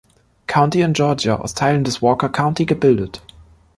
County in Georgia aus Teilen des Walker County gebildet.